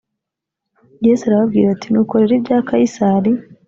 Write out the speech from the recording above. yesu arababwira ati nuko rero ibya kayisari